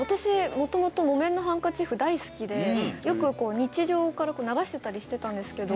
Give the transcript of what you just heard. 元々『木綿のハンカチーフ』大好きでよく日常から流してたりしてたんですけど。